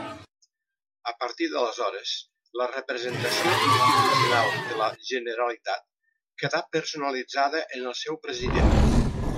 A partir d'aleshores, la representació institucional de la Generalitat quedà personalitzada en el seu president.